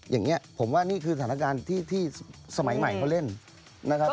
อย่างนี้ผมว่านี่คือสถานการณ์ที่สมัยใหม่เขาเล่นนะครับ